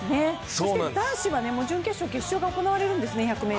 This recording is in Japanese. そして男子は、準決勝、決勝が行われるんですね、１００ｍ。